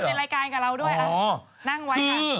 กลางให้เขาอยู่ในรายการกับเราด้วยนั่งไวก่อน